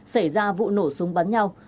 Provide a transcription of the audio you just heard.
xảy ra vụ nổ súng bắn nhau